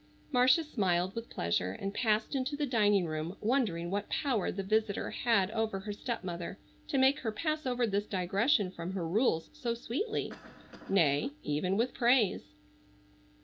Marcia smiled with pleasure and passed into the dining room wondering what power the visitor had over her stepmother to make her pass over this digression from her rules so sweetly,—nay, even with praise.